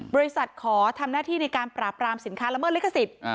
บริษัทขอทำหน้าที่ในการปราบรามสินค้าละเมิดลิขสิทธิ์